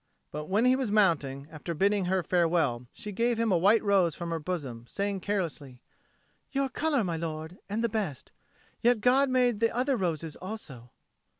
But when he was mounting, after bidding her farewell, she gave him a white rose from her bosom, saying carelessly, "Your colour, my lord, and the best. Yet God made the other roses also."